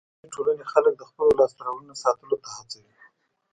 مدني ټولنې خلک د خپلو لاسته راوړنو ساتلو ته هڅوي.